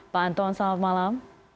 pak anton selamat malam